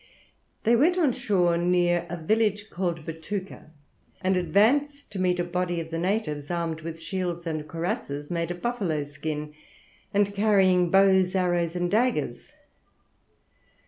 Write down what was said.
They went on shore near a village called Bitouka, and advanced to meet a body of the natives, armed with shields and cuirasses made of buffalo skin, and carrying bows, arrows, and daggers.